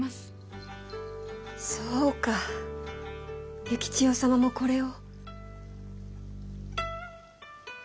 そうか幸千代様もこれを。